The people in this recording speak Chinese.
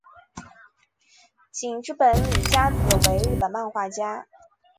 井之本理佳子为日本漫画家。